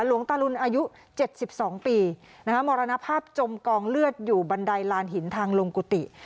หลวงตาหลุนอายุเจ็ดสิบสองปีนะคะมรณภาพจมกองเลือดอยู่บันไดลานหินทางลงกุฏิ